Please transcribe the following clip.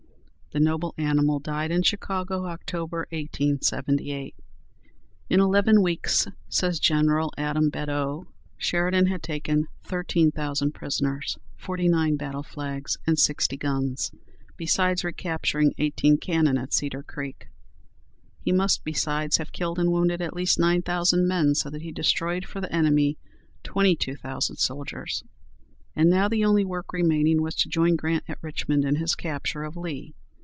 '" The noble animal died in Chicago, October, 1878. "In eleven weeks," says General Adam Badeau, "Sheridan had taken thirteen thousand prisoners, forty nine battle flags, and sixty guns, besides recapturing eighteen cannon at Cedar Creek. He must besides have killed and wounded at least nine thousand men, so that he destroyed for the enemy twenty two thousand soldiers." And now the only work remaining was to join Grant at Richmond in his capture of Lee.